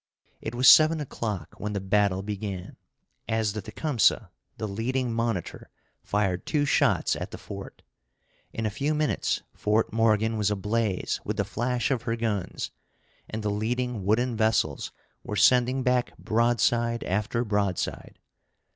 It was seven o'clock when the battle began, as the Tecumseh, the leading monitor, fired two shots at the fort. In a few minutes Fort Morgan was ablaze with the flash of her guns, and the leading wooden vessels were sending back broadside after broadside.